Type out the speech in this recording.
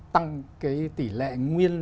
tăng cái tỷ lệ nguyên